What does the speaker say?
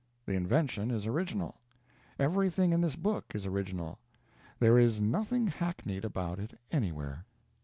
The invention is original. Everything in this book is original; there is nothing hackneyed about it anywhere.